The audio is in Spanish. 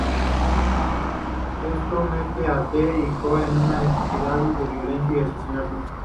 Esto mete a T y Ko en una espiral de violencia y asesinatos.